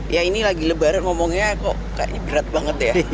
ya ini lagi lebaran ngomongnya kok kayaknya berat banget ya